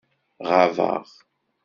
Ɣabeɣ.